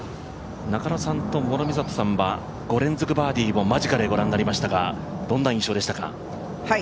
中野さんと諸見里さんは５連続バーディーを間近でご覧になりましたがどんな印象でしたか？